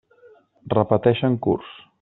Repeteixen curs.